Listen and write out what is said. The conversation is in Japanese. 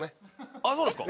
あっそうなんですか？